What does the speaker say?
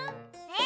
え？